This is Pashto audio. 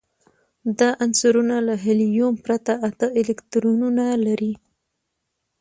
دا عنصرونه له هیلیوم پرته اته الکترونونه لري.